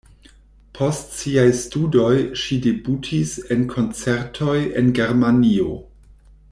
Post siaj studoj ŝi debutis en koncertoj en Germanio.